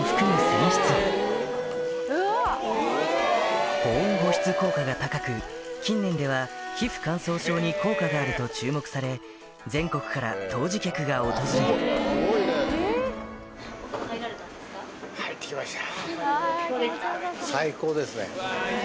泉質保温保湿効果が高く近年では皮膚乾燥症に効果があると注目されが訪れるどうでした？